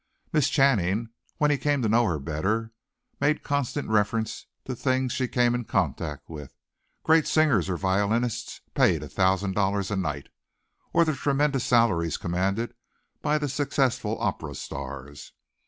Miss Channing, when he came to know her better, made constant references to things she came in contact with great singers or violinists paid $1000 a night, or the tremendous salaries commanded by the successful opera stars.